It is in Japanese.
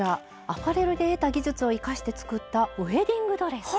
アパレルで得た技術を生かして作った「ウエディングドレス」。